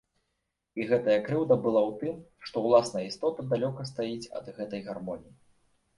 І гэтая крыўда была ў тым, што ўласная істота далёка стаіць ад гэтай гармоніі.